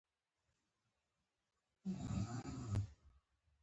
سیوری